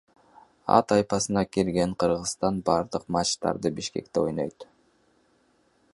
А тайпасына кирген Кыргызстан бардык матчтарды Бишкекте ойнойт.